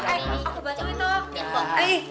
aku bantu itu